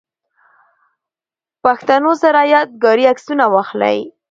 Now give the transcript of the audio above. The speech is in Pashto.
پښتنو سره ياد ګاري عکسونه واخلئ